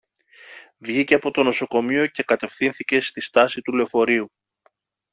Βγήκε από το νοσοκομείο και κατευθύνθηκε στη στάση του λεωφορείου